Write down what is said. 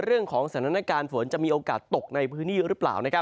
เรื่องของสถานการณ์ฝนจะมีโอกาสตกในพื้นที่หรือเปล่า